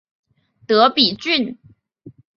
德比郡。